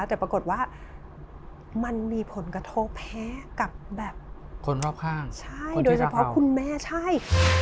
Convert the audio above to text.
แต่ปรากฏว่ามันมีผลกระทบแพ้กับแบบคนรอบข้างใช่โดยเฉพาะคุณแม่ใช่